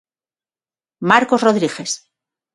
Marcos Rodríguez.